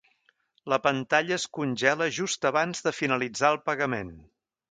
La pantalla es congela just abans de finalitzar el pagament.